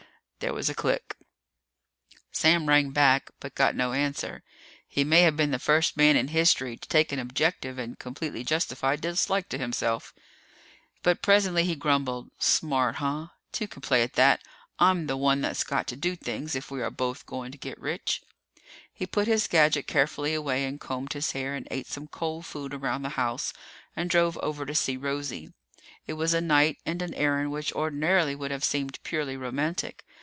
There was a click. Sam rang back, but got no answer. He may have been the first man in history to take an objective and completely justified dislike to himself. But presently he grumbled, "Smart, huh? Two can play at that! I'm the one that's got to do things if we are both goin' to get rich." He put his gadget carefully away and combed his hair and ate some cold food around the house and drove over to see Rosie. It was a night and an errand which ordinarily would have seemed purely romantic.